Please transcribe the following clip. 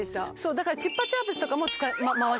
だからチュッパチャプスとかも使い回し。